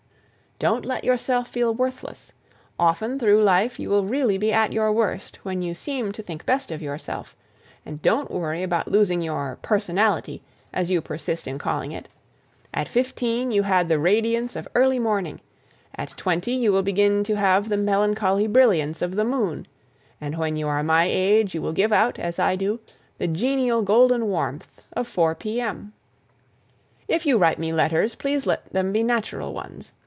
Don't let yourself feel worthless; often through life you will really be at your worst when you seem to think best of yourself; and don't worry about losing your "personality," as you persist in calling it; at fifteen you had the radiance of early morning, at twenty you will begin to have the melancholy brilliance of the moon, and when you are my age you will give out, as I do, the genial golden warmth of 4 P.M. If you write me letters, please let them be natural ones.